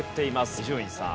伊集院さん。